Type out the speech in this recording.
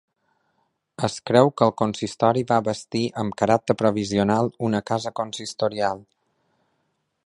Es creu que el consistori va bastir amb caràcter provisional una casa consistorial.